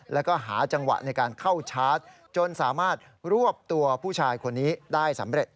แล้วก็หาจังหวะในการเข้าชาร์จจนสามารถรวบตัวผู้ชายคนนี้ได้สำเร็จ